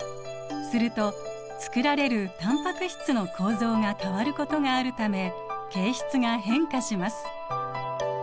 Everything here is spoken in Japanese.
すると作られるタンパク質の構造が変わることがあるため形質が変化します。